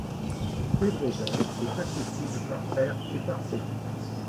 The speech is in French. Pedro Bay est accessible par air et par eau.